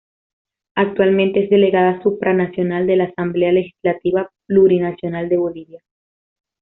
Actualmente es delegada supranacional de la Asamblea Legislativa Plurinacional de Bolivia.